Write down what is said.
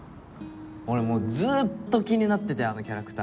俺もうずーっと気になっててあのキャラクター。